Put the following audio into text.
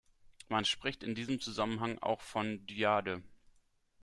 Man spricht in diesem Zusammenhang auch von „Dyade“.